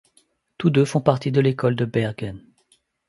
Tous deux font partie de l'école de Bergen.